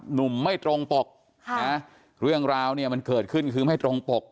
หนุ่มไม่ตรงปกเรื่องราวเนี่ยมันเกิดขึ้นคือไม่ตรงปก